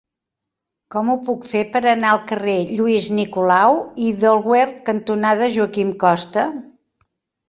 Com ho puc fer per anar al carrer Lluís Nicolau i d'Olwer cantonada Joaquín Costa?